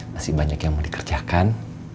masih banyak yang mau dikerjakan